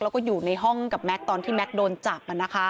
แล้วก็อยู่ในห้องกับแก๊กตอนที่แม็กซ์โดนจับ